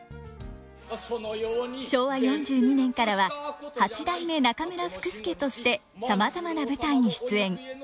昭和４２年からは八代目中村福助としてさまざまな舞台に出演。